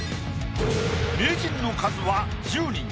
名人の数は１０人。